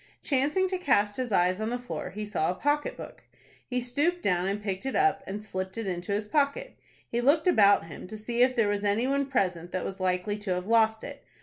Chancing to cast his eyes on the floor, he saw a pocket book. He stooped down and picked it up, and slipped it into his pocket. He looked about him to see if there was any one present that was likely to have lost it.